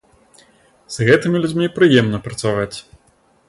З гэтымі людзьмі прыемна працаваць.